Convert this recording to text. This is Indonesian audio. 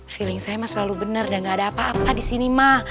feeling saya emang selalu bener dan gak ada apa apa disini ma